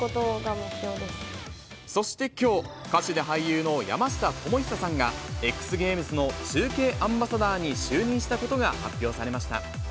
そして、きょう、歌手で俳優の山下智久さんが、ＸＧａｍｅｓの中継アンバサダーに就任したことが発表されました。